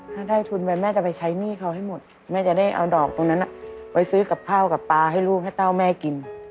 ถ้าได้ทุนไปแม่จะไปใช้หนี้เขาให้หมดแม่จะได้เอาดอกตรงนั้นไปซื้อกับข้าวกับปลาให้ลูกให้เต้าแม่กิน